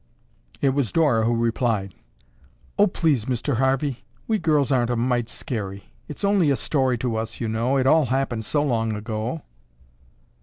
It was Dora who replied, "Oh, please, Mr. Harvey! We girls aren't a mite scary. It's only a story to us, you know. It all happened so long ago."